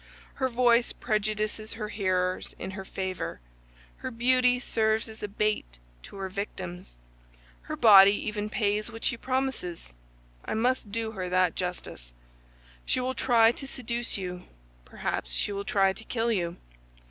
Her voice prejudices her hearers in her favor; her beauty serves as a bait to her victims; her body even pays what she promises—I must do her that justice. She will try to seduce you, perhaps she will try to kill you.